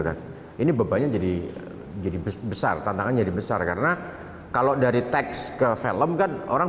kan ini bebannya jadi jadi besar tantangan jadi besar karena kalau dari teks ke film kan orang